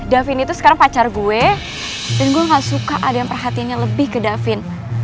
davin itu sekarang pacar gue dan gue gak suka ada yang perhatiannya lebih ke davin